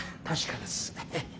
確かです。